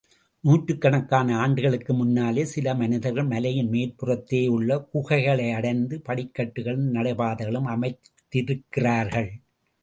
நூற்றுக் கணக்கான ஆண்டுகளுக்கு முன்னாலே, சில மனிதர்கள் மலையின் மேற்புறத்திலேயுள்ள குகைகளையடைந்து, படிக்கட்டுகளும் நடைபாதைகளும் அமைந்திருக்கிறார்கள்.